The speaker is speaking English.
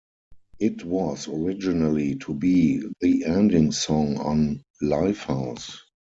It was originally to be the ending song on "Lifehouse".